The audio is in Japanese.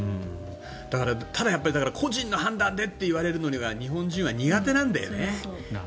ただやっぱり個人の判断でと言われるのには日本人は苦手なんだよね。